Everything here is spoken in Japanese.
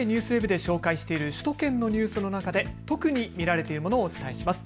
ＮＨＫＮＥＷＳＷＥＢで紹介している首都圏のニュースの中で特に見られているものをお伝えします。